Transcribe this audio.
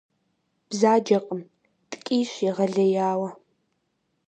Бзаджэкъым, ткӀийщ егъэлеяуэ.